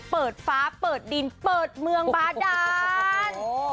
เปิดฟ้าเปิดดินเปิดเมืองบาดาน